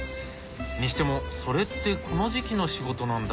にしてもそれってこの時期の仕事なんだ。